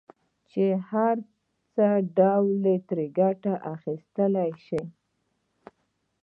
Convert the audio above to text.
چې څه ډول ترې ګټه اخيستلای شو.